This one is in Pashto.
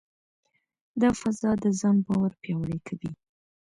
دا فضا د ځان باور پیاوړې کوي.